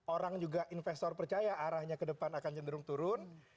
orang juga investor percaya arahnya ke depan akan cenderung turun